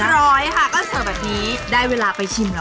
เรียบร้อยค่ะน่าจะเสิร์ฟแบบนี้ได้เวลาไปชิมคะ